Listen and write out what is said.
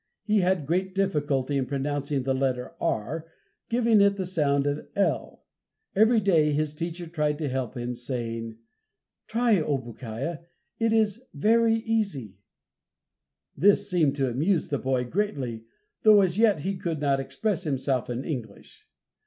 He had great difficulty in pronouncing the letter r, giving it the sound of l. Every day his teacher tried to help him, saying, "try, Obookiah, it is very easy." This seemed to amuse the boy greatly, though as yet he could not express himself in English.